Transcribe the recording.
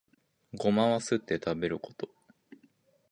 ゴマはすって食べること